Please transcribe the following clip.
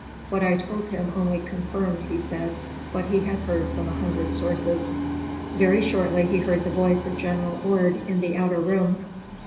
What I told him only "confirmed," he said, what he had heard from a hundred sources. Very shortly he heard the voice of General Ord in the outer room.